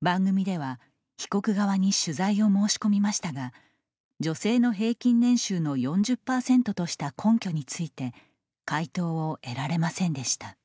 番組では、被告側に取材を申し込みましたが女性の平均年収の４０％とした根拠について回答を得られませんでした。